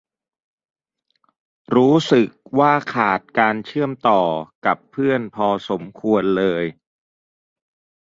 รู้สึกว่าขาดการเชื่อมต่อกับเพื่อนพอควรเลย